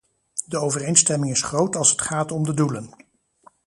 De overeenstemming is groot als het gaat om de doelen.